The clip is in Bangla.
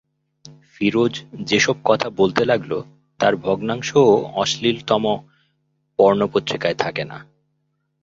ফিরোজ যে-সব কথা বলতে লাগল, তার ভগ্নাংশও অশ্লীলতম পর্ণো পত্রিকায় থাকে না।